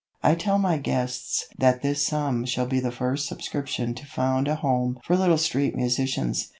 I tell my guests that this sum shall be the first subscription to found a Home for little street musicians.